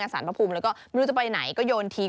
สารพระภูมิแล้วก็ไม่รู้จะไปไหนก็โยนทิ้ง